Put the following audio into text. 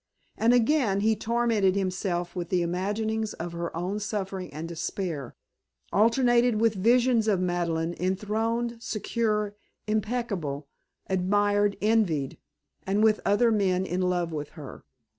And, again, he tormented himself with imaginings of her own suffering and despair; alternated with visions of Madeleine enthroned, secure, impeccable, admired, envied and with other men in love with her!